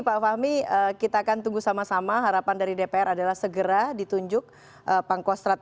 pak fahmi kita akan tunggu sama sama harapan dari dpr adalah segera ditunjuk pangkostrat